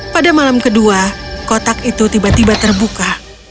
pada malam kedua kotak itu tiba tiba terbuka